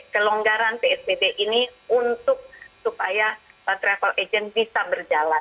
kelonggaran psbb ini untuk supaya travel agent bisa berjalan